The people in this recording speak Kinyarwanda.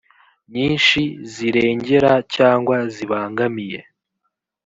nyinshi zirengera cyangwa zibangamiye